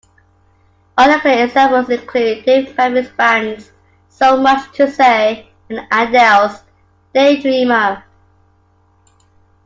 Other clear examples include Dave Matthews Band's "So Much To Say" and Adele's "Daydreamer".